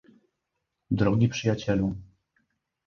Drogi Przyjacielu